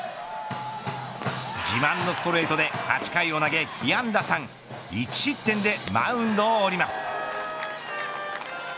自慢のストレートで８回を投げ被安打３１失点でマウンドを降ります。